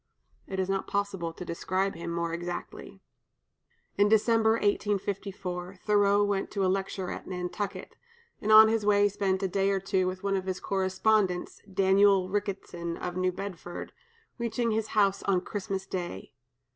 It is not possible to describe him more exactly. In December, 1854, Thoreau went to lecture at Nantucket, and on his way spent a day or two with one of his correspondents, Daniel Ricketson of New Bedford, reaching his house on Christmas day.